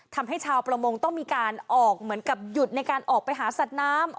ทำให้ชาวประมงต้องมีการออกเหมือนกับหยุดในการออกไปหาสัตว์น้ำ